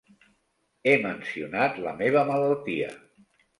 He mencionat la meva malaltia.